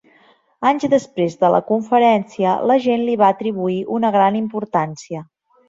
Anys després de la conferència, la gent li va atribuir una gran importància.